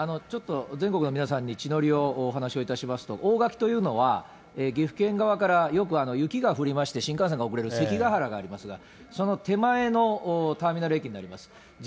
ちょっと全国の皆さんに地の利をお話をいたしますと、大垣というのは、岐阜県側からよく雪が降りまして、新幹線が遅れる関ヶ原がありますが、その手前のターミナル駅になります。